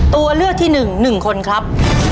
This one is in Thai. ตัวเลือกที่หนึ่ง๑คนครับ